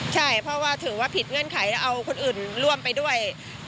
ใช่เพราะว่าถือว่าผิดเงื่อนไขแล้วเอาคนอื่นร่วมไปด้วย